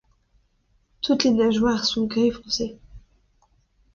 Toutes les nageoires sont gris foncé.